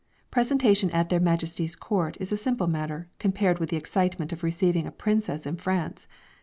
Presentation at their Majesties' Court is a simple matter compared with the excitement of receiving a Princess in France.